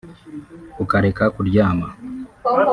ukareka kuryama